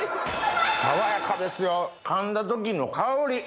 爽やかですよ噛んだ時の香り！